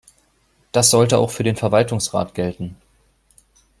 Das sollte auch für den Verwaltungsrat gelten.